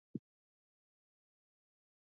شېخ اسماعیل پالنه سړبن کړې ده.